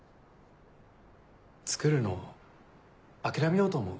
造るのを諦めようと思う。